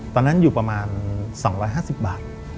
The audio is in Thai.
ตอนนั้นอยู่ประมาณ๒๕๐บาท